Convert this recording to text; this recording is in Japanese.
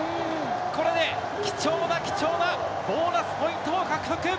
これで貴重な貴重なボーナスポイントを獲得。